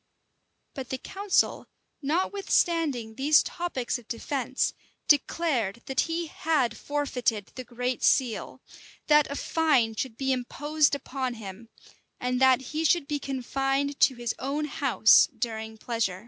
But the council, notwithstanding these topics of defence, declared that he had forfeited the great seal; that a fine should be imposed upon him; and that he should be confined to his own house during pleasure.